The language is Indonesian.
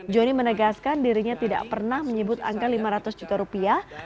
johnny menegaskan dirinya tidak pernah menyebut angka lima ratus juta rupiah